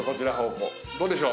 どうでしょう？